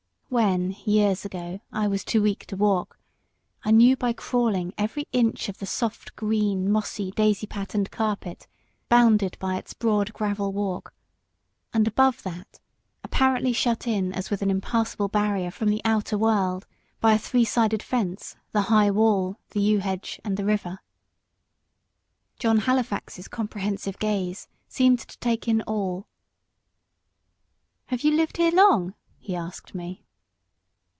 When, years ago, I was too weak to walk, I knew, by crawling, every inch of the soft, green, mossy, daisy patterned carpet, bounded by its broad gravel walk; and above that, apparently shut in as with an impassable barrier from the outer world, by a three sided fence, the high wall, the yew hedge, and the river. John Halifax's comprehensive gaze seemed to take in all. "Have you lived here long?" he asked me.